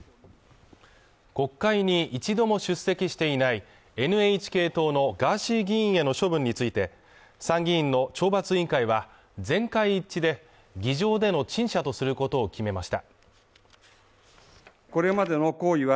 国会に一度も出席していないＮＨＫ党のガーシー議員への処分について、参議院の懲罰委員会は全会一致で議場での陳謝とすることを決めました。